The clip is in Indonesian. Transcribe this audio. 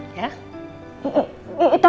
saya mau ada urusan sebentar